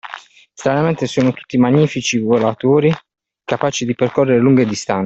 Stranamente sono tutti magnifici volatori, capaci di percorrere lunghe distanze.